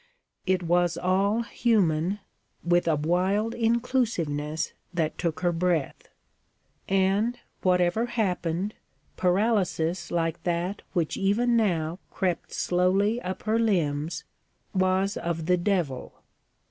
It was all human, with a wild inclusiveness that took her breath. And, whatever happened, paralysis like that which even now crept slowly up her limbs, was of the devil.